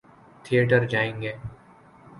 Theatre جائیں گے۔